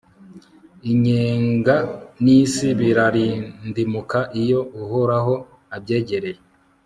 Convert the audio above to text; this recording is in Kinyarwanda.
inyenga n'isi birarindimuka iyo uhoraho abyegereye